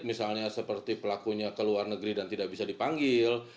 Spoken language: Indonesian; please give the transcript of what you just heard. misalnya seperti pelakunya ke luar negeri dan tidak bisa dipanggil